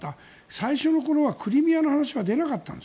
最初のころはクリミアの話は出なかった。